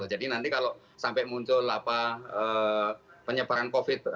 nanti kalau sampai muncul penyebaran covid